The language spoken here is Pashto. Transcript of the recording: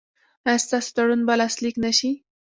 ایا ستاسو تړون به لاسلیک نه شي؟